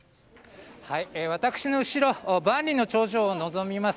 私の後ろ万里の長城を望みます